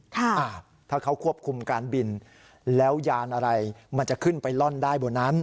ถ้าเขาควบคุมการบินแล้วยานอะไรมันจะขึ้นไปล่อนได้บนนั้น